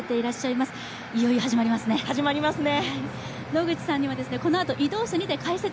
いよいよ始まりますね。